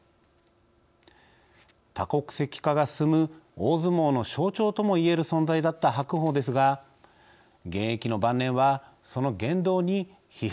多国籍化が進む大相撲の象徴とも言える存在だった白鵬ですが現役の晩年はその言動に批判もありました。